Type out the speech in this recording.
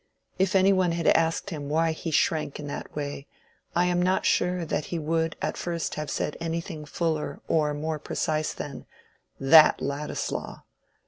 If any one had asked him why he shrank in that way, I am not sure that he would at first have said anything fuller or more precise than "That Ladislaw!"